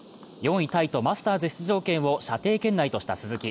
４位タイとマスターズ出場を射程圏内とした鈴木。